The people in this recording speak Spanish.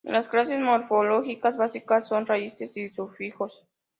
Las clases morfológicas básicas son raíces y sufijos.